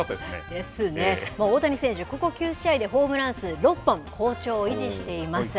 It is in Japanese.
大谷選手、ここ９試合でホームラン数６本、好調を維持しています。